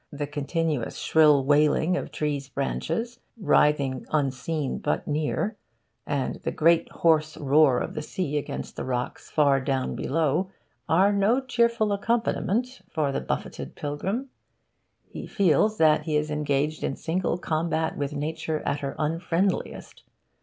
The continuous shrill wailing of trees' branches writhing unseen but near, and the great hoarse roar of the sea against the rocks far down below, are no cheerful accompaniment for the buffeted pilgrim. He feels that he is engaged in single combat with Nature at her unfriendliest.